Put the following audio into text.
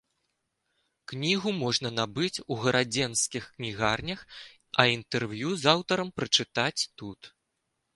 Кнігу можна набыць у гарадзенскіх кнігарнях, а інтэрв'ю з аўтарам прачытаць тут.